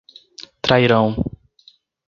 Trairão